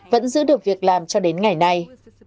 vẫn giữ được việc làm cho đến ngày nay